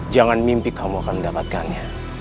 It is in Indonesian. jangan mimpi kamu akan mendapatkannya